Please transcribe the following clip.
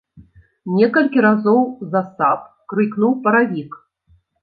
Некалькі разоў засаб крыкнуў паравік.